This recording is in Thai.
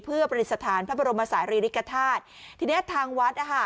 เพื่อประดิษฐานพระบรมศาสตร์รีริกธาตุทีนี้ทางวัดอ่ะฮะ